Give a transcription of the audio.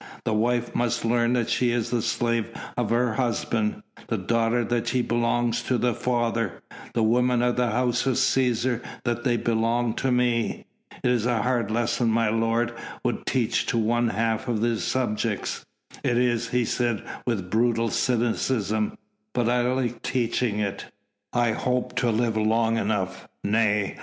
The wife must learn that she is the slave of her husband, the daughter that she belongs to the father; the women of the House of Cæsar that they belong to me." "It is a hard lesson my lord would teach to one half of his subjects." "It is," he said with brutal cynicism, "but I like teaching it. I hope to live long enough nay!